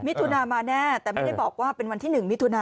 มิถุนามาแน่แต่ไม่ได้บอกว่าเป็นวันที่๑มิถุนา